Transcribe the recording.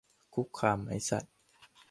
คุกคามไหมสัส